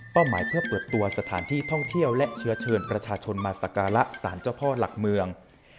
หมายเพื่อเปิดตัวสถานที่ท่องเที่ยวและเชื้อเชิญประชาชนมาสการะสารเจ้าพ่อหลักเมือง